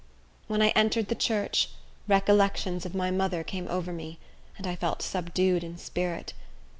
When I entered the church, recollections of my mother came over me, and I felt subdued in spirit.